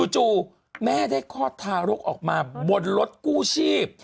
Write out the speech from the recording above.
จู่แม่ได้คลอดทารกออกมาบนรถกู้ชีพ